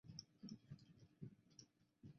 叉苔蛛为皿蛛科苔蛛属的动物。